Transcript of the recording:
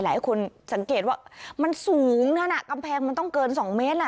หลายคนสังเกตว่ามันสูงนั่นอ่ะกำแพงมันต้องเกิน๒เมตรล่ะ